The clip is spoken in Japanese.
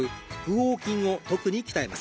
横筋を特に鍛えます。